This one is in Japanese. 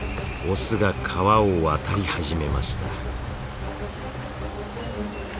オスが川を渡り始めました。